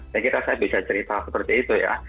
saya kira saya bisa cerita seperti itu ya